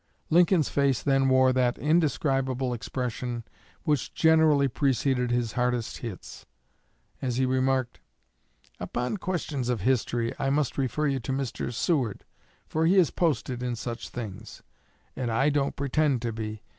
Lincoln's face then wore that indescribable expression which generally preceded his hardest hits, as he remarked: 'Upon questions of history I must refer you to Mr. Seward, for he is posted in such things, and I don't pretend to be.